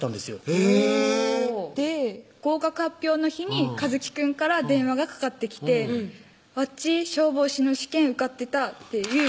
へぇで合格発表の日に一紀くんから電話がかかってきて「わっち消防士の試験受かってた」っていう